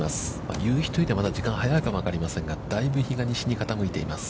夕日というには時間が早いかも分かりませんが、大分、日が西に傾いています。